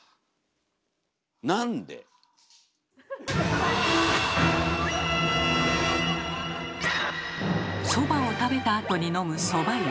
なんで⁉そばを食べたあとに飲むそば湯。